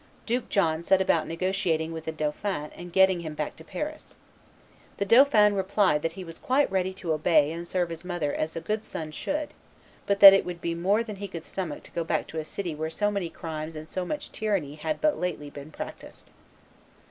Duke John set about negotiating with the dauphin and getting him back to Paris. The dauphin replied that he was quite ready to obey and serve his mother as a good son should, but that it would be more than he could stomach to go back to a city where so many crimes and so much tyranny had but lately been practised.